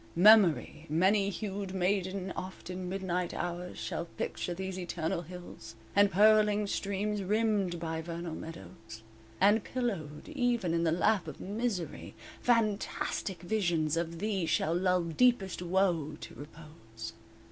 Memory, many hued maiden, Oft in midnight hours Shall picture these eternal hills, And purling streams, rimmed by Vernal meadows; And pillowed even in the lap of misery Fantastic visions of thee Shall lull deepest woe to repose.